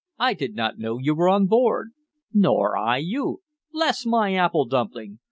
I did not know you were on board!" "Nor I you. Bless my apple dumpling!